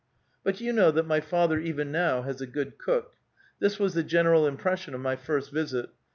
But you know that my father even now has a good cook. This was the general impression of my first visit.